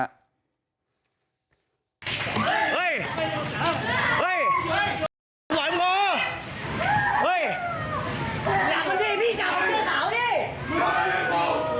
เฮ้ยเฮ้ยเฮ้ยเฮ้ย